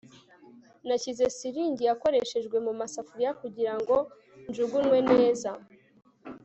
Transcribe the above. nashyize siringi yakoreshejwe mumasafuriya kugirango njugunywe neza